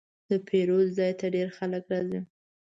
د پیرود ځای ته ډېر خلک راځي.